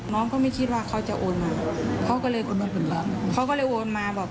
น้องก็ไม่คิดว่าเขาจะโอนมาเขาก็เลยโอนมา